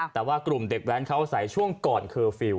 แต่ว่ากลุ่มเด็กแว้นเขาอาศัยช่วงก่อนเคอร์ฟิลล